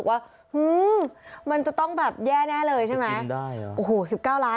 อ้าวทำไมฮะ